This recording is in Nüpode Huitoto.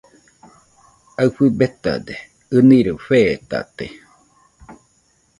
Aɨfɨ betade, ɨniroi fetate.